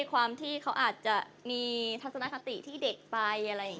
ความที่เขาอาจจะมีทัศนคติที่เด็กไปอะไรอย่างนี้